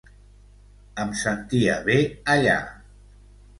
Em sentia bé allà.